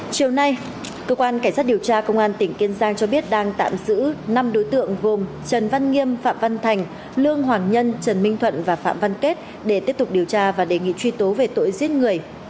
chiều nay cơ quan cảnh sát điều tra công an tỉnh kiên giang cho biết đang tạm giữ năm đối tượng gồm trần văn nghiêm phạm văn thành lương hoàng nhân trần minh thuận và phạm văn kết để tiếp tục điều tra và đề nghị truy tố về tội giết người